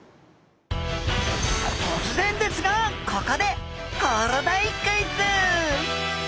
突然ですがここでコロダイクイズ！